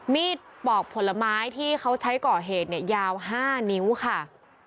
ปอกผลไม้ที่เขาใช้ก่อเหตุเนี่ยยาว๕นิ้วค่ะ